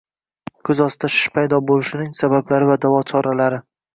Ko‘z ostida shish paydo bo‘lishining sabablari va davo choralari